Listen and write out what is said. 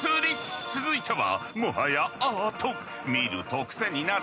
続いては。